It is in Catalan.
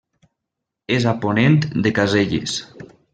És a ponent de Caselles.